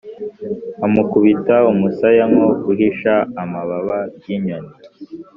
amukubita umusaya nko guhisha amababa yinyoni.